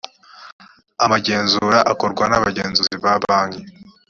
y amagenzura akorwa n abagenzuzi ba banki